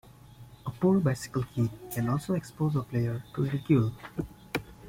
A poor bicycle kick can also expose a player to ridicule.